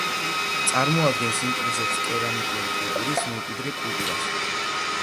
წარმოადგენს იმპრესოს კერამიკული კულტურის მემკვიდრე კულტურას.